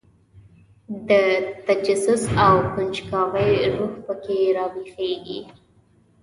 د تجسس او کنجکاوۍ روح په کې راویښېږي.